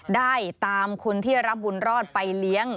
ได้ตามคุณที่รับบุญรอดไปเลี้ยง